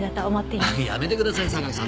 やめてください榊さん。